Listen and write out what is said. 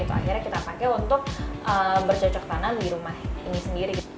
akhirnya kita pakai untuk bercocok tanam di rumah ini sendiri